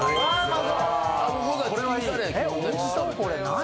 これ何？